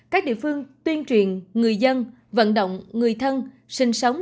các địa phương tuyên truyền người dân vận động người thân sinh sống